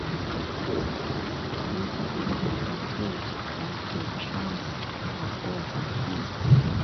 You have the advantage that your trumps are over his.